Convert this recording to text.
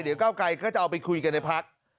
เดี๋ยวก้าวไกลก็จะเอาไปคุยกันในพัก